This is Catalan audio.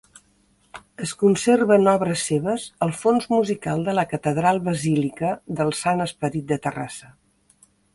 Es conserven obres seves al fons musical de la catedral-basílica del Sant Esperit de Terrassa.